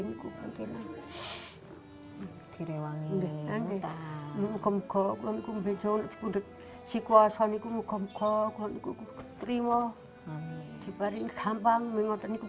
hujan deras mengguyur siang ibu